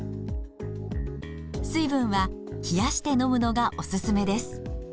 水分は冷やして飲むのがおすすめです。